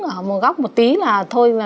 ở một góc một tí là thôi